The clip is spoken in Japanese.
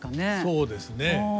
そうですね。